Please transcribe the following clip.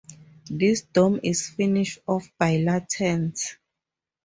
This dome is finished off by lanterns.